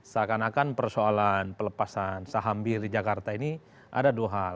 seakan akan persoalan pelepasan saham bir di jakarta ini ada dua hal